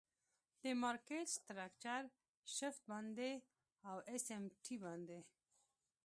د مارکیټ سټرکچر شفټ باندی او آس آم ټی باندی.